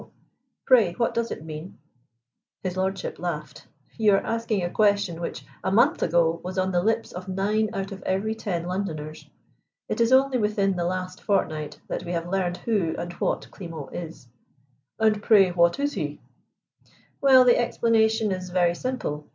Pray, what does it mean?" His lordship laughed. "You are asking a question which, a month ago, was on the lips of nine out of every ten Londoners. It is only within the last fortnight that we have learned who and what 'Klimo' is." "And pray what is he?" "Well, the explanation is very simple.